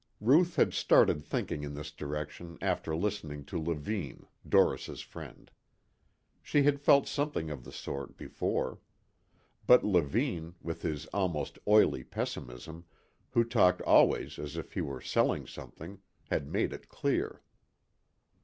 Ruth had started thinking in this direction after listening to Levine, Doris' friend. She had felt something of the sort before. But Levine, with his almost oily pessimism, who talked always as if he were selling something, had made it clear.